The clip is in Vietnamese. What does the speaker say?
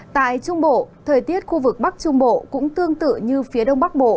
tại trung bộ thời tiết khu vực bắc trung bộ cũng tương tự như phía đông bắc bộ